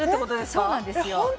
そうなんですよ